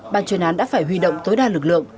ban chuyên án đã phải huy động tối đa lực lượng